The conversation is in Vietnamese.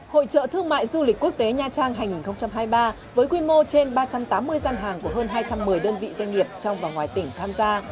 hội trợ thương mại du lịch quốc tế nha trang hai nghìn hai mươi ba với quy mô trên ba trăm tám mươi gian hàng của hơn hai trăm một mươi đơn vị doanh nghiệp trong và ngoài tỉnh tham gia